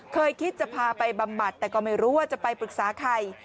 เคยคิดจะพาไปบำบัดแต่ก็ไม่รู้ว่าจะไปปรึกษาใคร